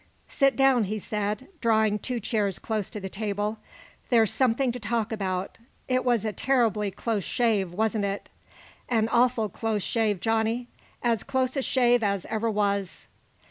"Sit down," he said, drawing two chairs close to the table. "There's something to talk about. It was a terribly close shave, wasn't it?" "An awful close shave, Johnny. As close a shave as ever was."